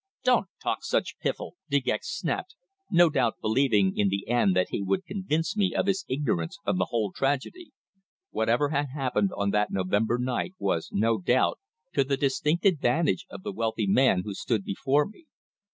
"Don't talk such piffle!" De Gex snapped, no doubt believing in the end that he would convince me of his ignorance of the whole tragedy. Whatever had happened on that November night was, no doubt, to the distinct advantage of the wealthy man who stood before me.